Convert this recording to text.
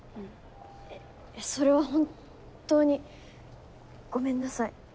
それは本当にごめんなさい。